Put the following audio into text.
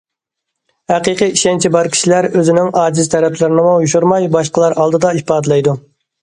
ھەقىقىي ئىشەنچى بار كىشىلەر ئۆزىنىڭ ئاجىز تەرەپلىرىنىمۇ يوشۇرماي باشقىلار ئالدىدا ئىپادىلەيدۇ.